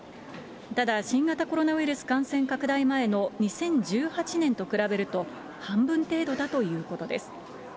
ただ新型コロナウイルス感染拡大前の２０１８年と比べると半分程度だということです。